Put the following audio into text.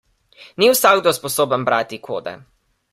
Ni vsakdo sposoben brati kode.